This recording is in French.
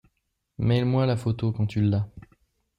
Mail moi la photo quand tu l'as.